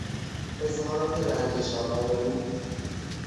اظهارات رنجش آور او